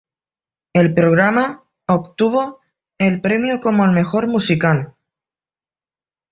El programa obtuvo el premio como el mejor musical.